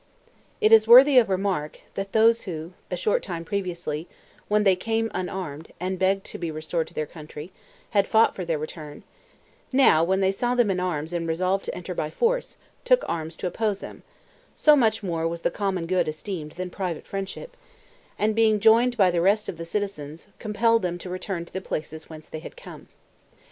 It is worthy of remark, that those who, a short time previously, when they came unarmed and begged to be restored to their country, had fought for their return, now, when they saw them in arms and resolved to enter by force, took arms to oppose them (so much more was the common good esteemed than private friendship), and being joined by the rest of the citizens, compelled them to return to the places whence they had come.